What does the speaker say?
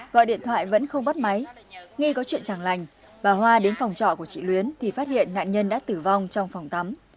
gọi điện thoại vẫn không bắt máy nghi có chuyện chẳng lành bà hoa đến phòng trọ của chị luyến thì phát hiện nạn nhân đã tử vong trong phòng tắm